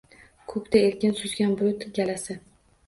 Koʻkda erkin suzgan bulut galasi